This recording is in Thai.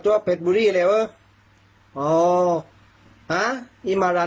โอ้โหเดี๋ยวไปดูครับ